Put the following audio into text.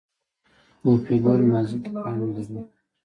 پوپی ګل نازکې پاڼې لري